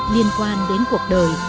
liên quan đến cuộc đời